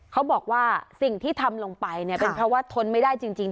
เขาบอกว่าสิ่งที่ทำลงไปเนี่ยเป็นเพราะว่าทนไม่ได้จริง